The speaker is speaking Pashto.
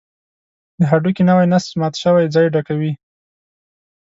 د هډوکي نوی نسج مات شوی ځای ډکوي.